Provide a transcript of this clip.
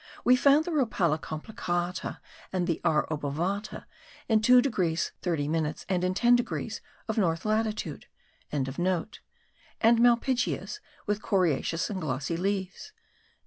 We found the Rhopala complicata and the R. obovata, in 2 degrees 30 minutes, and in 10 degrees of north latitude.)), and malpighias* with coriaceous and glossy leaves.